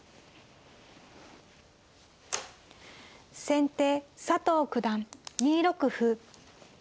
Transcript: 先手佐藤九段２六歩。